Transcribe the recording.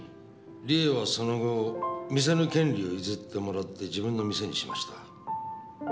理恵はその後店の権利を譲ってもらって自分の店にしました。